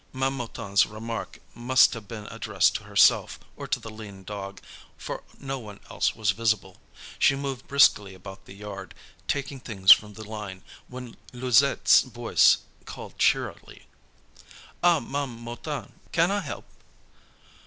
Ma'am Mouton's remark must have been addressed to herself or to the lean dog, for no one else was visible. She moved briskly about the yard, taking things from the line, when Louisette's voice called cheerily: "Ah, Ma'am Mouton, can I help?"